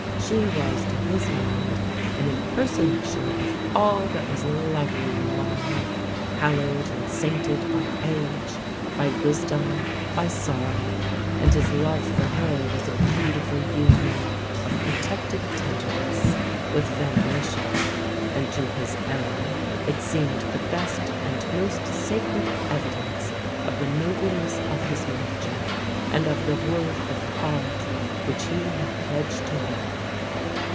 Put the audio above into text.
She was to his mind an impersonation of all that was lovely in womanhood, hallowed and sainted by age, by wisdom, by sorrow; and his love for her was a beautiful union of protective tenderness, with veneration; and to his Ellen it seemed the best and most sacred evidence of the nobleness of his nature, and of the worth of the heart which he had pledged to her.